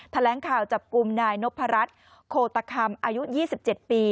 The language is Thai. แถลงข่าวจับกลุ่มนายนพรัชโคตคำอายุ๒๗ปี